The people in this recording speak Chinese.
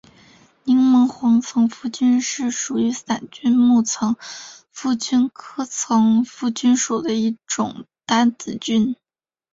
柠檬黄层腹菌是属于伞菌目层腹菌科层腹菌属的一种担子菌。